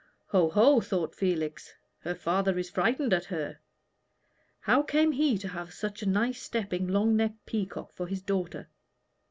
"Ho, ho!" thought Felix, "her father is frightened at her. How came he to have such a nice stepping, long necked peacock for his daughter?